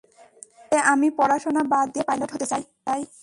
যে আমি পড়াশোনা বাদ দিয়ে পাইলট হতে চাই?